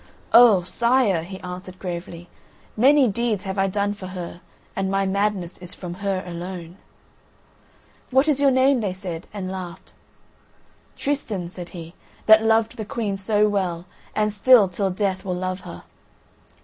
"O! Sire," he answered gravely, "many deeds have I done for her, and my madness is from her alone." "What is your name?" they said, and laughed. "Tristan," said he, "that loved the Queen so well, and still till death will love her."